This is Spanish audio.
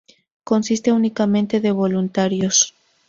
Consiste únicamente de voluntarios.